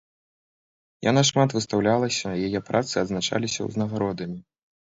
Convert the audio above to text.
Яна шмат выстаўлялася, яе працы адзначаліся ўзнагародамі.